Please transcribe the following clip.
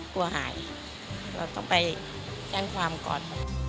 กลัวหายเราต้องไปแจ้งความก่อน